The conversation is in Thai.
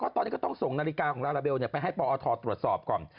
ตอนนี้ก็ต้องส่งนาฬิกาของลาลาเบลไปให้ปอทตรวจสอบก่อน